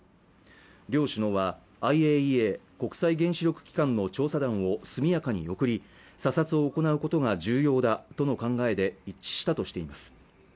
両首脳はＩＡＥＡ＝国際原子力機関の調査団を速やかに送り査察を行うことが重要だとの考えで一致したとしています